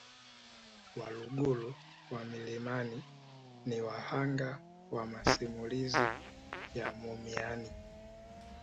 Waluguru wa milimani ni wahanga wa masimulizi ya mumiani